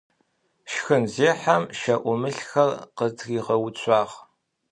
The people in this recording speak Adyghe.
Шхынзехьэм щэӏумылхэр къытыригъэуцуагъ.